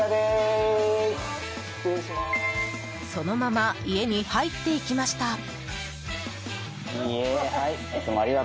そのまま家に入っていきました。